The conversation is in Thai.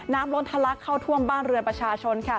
ล้นทะลักเข้าท่วมบ้านเรือนประชาชน